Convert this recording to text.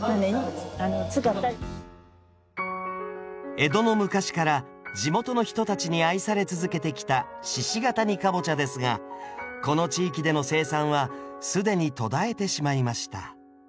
江戸の昔から地元の人たちに愛され続けてきた鹿ケ谷かぼちゃですがこの地域での生産は既に途絶えてしまいました。